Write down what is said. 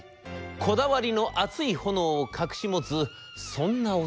こだわりの熱い炎を隠し持つそんな男でございます。